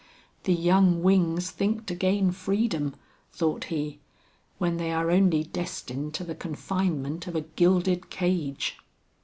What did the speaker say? "The young wings think to gain freedom," thought he, "when they are only destined to the confinement of a gilded cage."